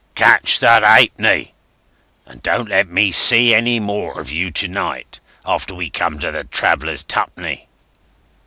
"Catch that ha'penny. And don't let me see any more of you to night, after we come to the Travellers' Twopenny."